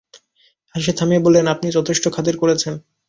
হাসি থামিয়ে বললেন, আপনি যথেষ্ট খাতির করেছেন।